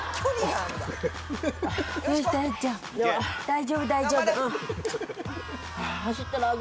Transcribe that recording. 大丈夫大丈夫。